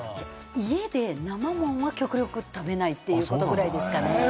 家で生ものは極力食べないってことぐらいですかね。